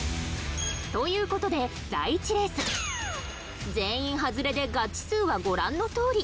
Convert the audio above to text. という事で第１レース全員ハズレでガッチ数はご覧のとおり